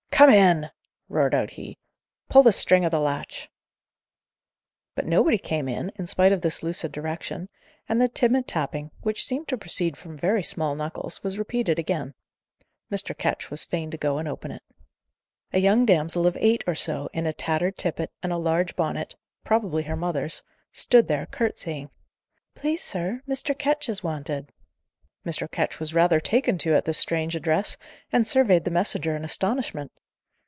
"Come in!" roared out he. "Pull the string o' the latch." But nobody came in, in spite of this lucid direction; and the timid tapping, which seemed to proceed from very small knuckles, was repeated again. Mr. Ketch was fain to go and open it. A young damsel of eight or so, in a tattered tippet, and a large bonnet probably her mother's stood there, curtseying. "Please, sir, Mr. Ketch is wanted." Mr. Ketch was rather taken to at this strange address, and surveyed the messenger in astonishment.